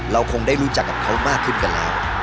เราคงได้รู้จักกับเขามากขึ้นกันแล้ว